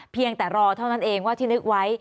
เพียงแต่รอเท่านั้นเองว่าที่นึกไว้